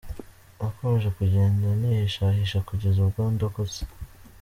Nakomeje kugenda nihishahisha kugeza ubwo ndokotse.